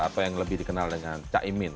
atau yang lebih dikenal dengan caimin